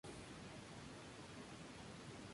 Ambos descubrieron la música de jóvenes.